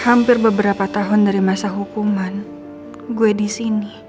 hampir beberapa tahun dari masa hukuman gue di sini